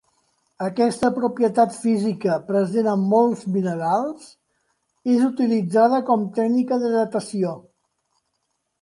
Aquesta propietat física, present en molts minerals, és utilitzada com tècnica de datació.